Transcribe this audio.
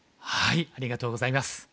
ありがとうございます。